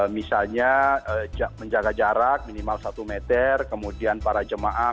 misalnya menjaga jarak minimal satu meter kemudian para jemaah